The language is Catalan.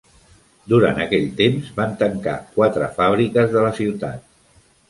Durant aquell temps van tancar quatre fàbriques de la ciutat.